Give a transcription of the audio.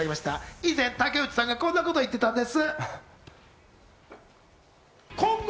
以前、竹内さんがこんなことを言っていたんです！